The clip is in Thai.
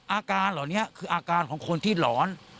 อาการเหล่านี้คืออาการของคนที่หลอน